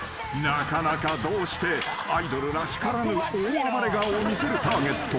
［なかなかどうしてアイドルらしからぬ大暴れ顔を見せるターゲット］